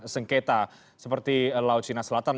sengketa seperti laut cina selatan